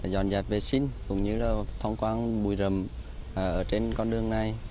dọn dẹp vệ sinh cũng như thông quan bùi rầm trên con đường này